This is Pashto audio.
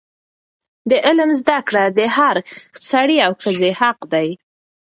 د علم زده کړه د هر سړي او ښځې حق دی.